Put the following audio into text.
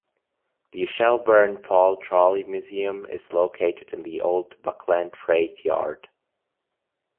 The Shelburne Falls Trolley Museum is located in the old Buckland Freight yard.